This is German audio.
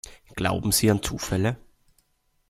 Glauben Sie an Zufälle?